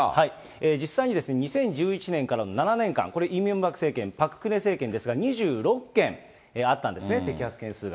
実際に２０１１年からの７年間、これ、イ・ミョンバク政権、パク・クネ政権ですが、２６件あったんですね、摘発件数が。